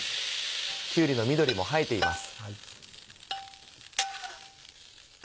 きゅうりの緑も映えています。